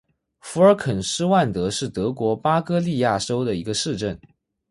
福尔肯施万德是德国巴伐利亚州的一个市镇。